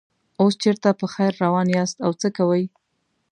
اوس چېرته په خیر روان یاست او څه کوئ.